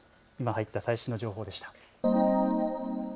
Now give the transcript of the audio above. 今、入った最新の情報でした。